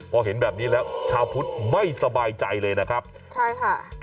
พอเห็นแบบนี้แล้วชาวพุทธไม่สบายใจเลยนะครับใช่ค่ะ